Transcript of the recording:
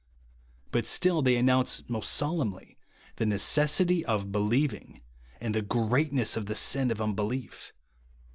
But still they announce most solemnly the necessity of believing, and the greatness of the sin of unbelief.